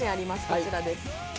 こちらです。